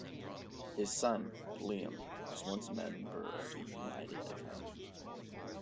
His son, Liam, was once a member of the United academy.